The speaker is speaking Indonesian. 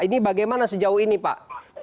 ini bagaimana sejauh ini pak